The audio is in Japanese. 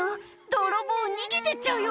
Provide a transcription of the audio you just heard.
泥棒逃げてっちゃうよ